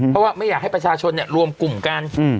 เพราะว่าไม่อยากให้ประชาชนรวมกลุ่มกัน